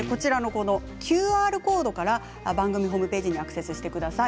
ＱＲコードから番組ホームページにアクセスしてください。